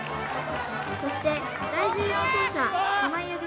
そして第１４走者濱家組